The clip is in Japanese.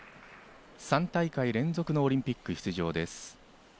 ３大会連続のオリンピック出場です。